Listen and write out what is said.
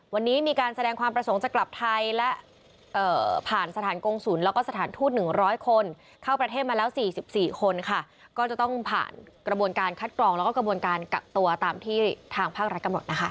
วันนี้มีการแสดงความประสงค์สำหรับไทย